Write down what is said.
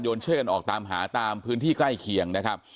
ช่วยกันออกตามหาตามพื้นที่ใกล้เคียงนะครับ